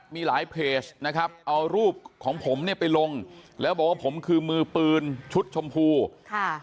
มีหลายเพจนะครับเอารูปของผมเนี่ยไปลงแล้วบอกว่าผมคือมือปืนชุดชมพูค่ะ